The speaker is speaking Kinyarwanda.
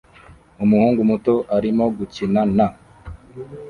Umuhungu muto arimo gukina na